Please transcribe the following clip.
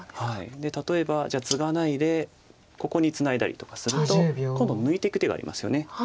で例えばじゃあツガないでここにツナいだりとかすると今度抜いていく手がありますよね。